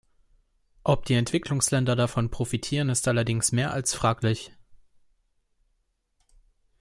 Ob die Entwicklungsländer davon profitieren ist allerdings mehr als fraglich.